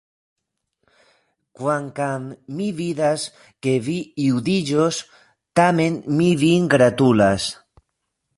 Kvankam mi vidas, ke vi judiĝos, tamen mi vin gratulas.